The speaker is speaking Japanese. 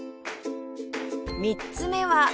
３つ目は